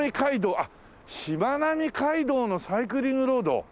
あっしまなみ海道のサイクリングロード。